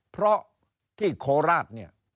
เพราะที่โคราช